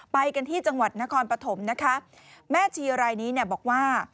ไปกันที่จังหวัดนครปฐมนะคะแม่ชีรายนี้เนี่ยบอกว่า